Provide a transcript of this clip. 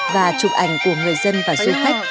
và chụp ảnh của người dân và du khách